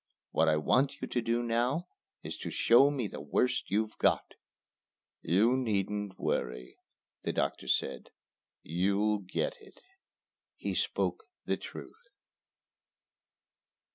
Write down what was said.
What I want you to do now is to show me the worst you've got." "You needn't worry," the doctor said. "You'll get it." He spoke the truth.